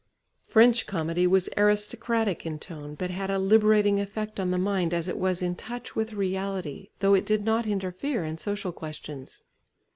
French comedy was aristocratic in tone, but had a liberating effect on the mind as it was in touch with reality, though it did not interfere in social questions.